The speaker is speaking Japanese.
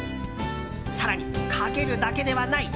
更に、かけるだけではない。